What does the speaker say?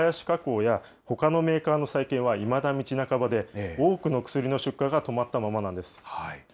かこうやほかのメーカーの再建はいまだ道半ばで、多くの薬の出荷が止まったままなんです。